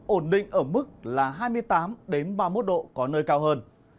ổn định ở mức là hai mươi tám ba mươi một độ có nơi cao hơn